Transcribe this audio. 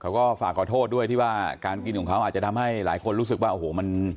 เขาก็ฝากขอโทษด้วยที่ว่าการกินของเขาอาจจะทำให้หลายคนรู้สึกว่าโอ้โหมัน